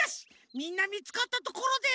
みんなみつかったところで。